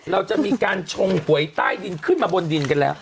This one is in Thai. เราจะมีการชงหวยใต้ดินขึ้นมาบนดินกันแล้ว